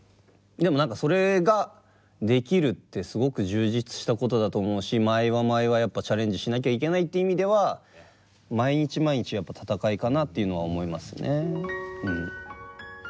でも何かそれができるってすごく充実したことだと思うし毎話毎話やっぱチャレンジしなきゃいけないって意味では毎日毎日がやっぱ戦いかなっていうのは思いますね。